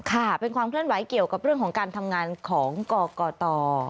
ค่ะเป็นความเคลื่อนไหวเกี่ยวกับเรื่องของการทำงานของกกต